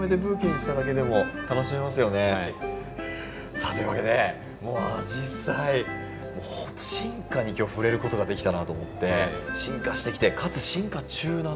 さあというわけでもうアジサイ進化に今日触れる事ができたなと思って進化してきてかつ進化中なんですね。